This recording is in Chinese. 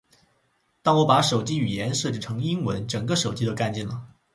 当我把手机语言设置成英文，整个手机都干净了